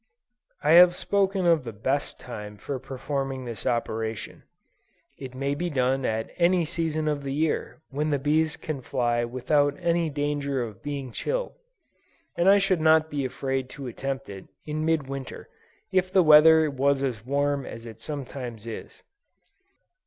I have spoken of the best time for performing this operation. It may be done at any season of the year, when the bees can fly without any danger of being chilled, and I should not be afraid to attempt it, in mid winter, if the weather was as warm as it sometimes is.